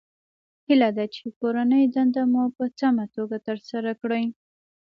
هیله ده چې کورنۍ دنده مو په سمه توګه ترسره کړئ